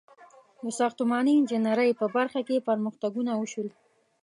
• د ساختماني انجینرۍ په برخه کې پرمختګونه وشول.